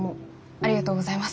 ありがとうございます。